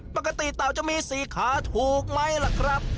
ปกติเต่าจะมีสี่ขาถูกไหมล่ะครับ